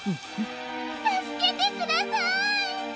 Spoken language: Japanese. たすけてください！